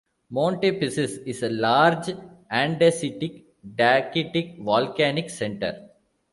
Monte Pissis is a large andesitic-dacitic volcanic centre.